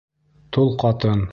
Тол ҡатын.